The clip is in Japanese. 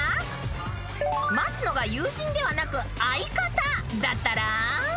［待つのが友人ではなく相方だったら］